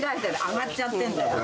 上がっちゃってんだよ。